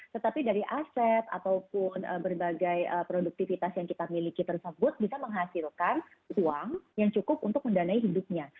tetapi dari aset ataupun berbagai produktivitas yang kita miliki tersebut bisa menghasilkan uang yang cukup untuk mendanai hidupnya